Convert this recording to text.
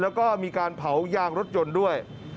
แล้วก็มีการเผายางรถยนต์ด้วย